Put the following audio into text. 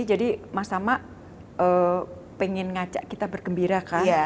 jadi mas tama ingin mengajak kita bergembira kan